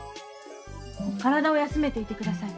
体を休めていて下さい。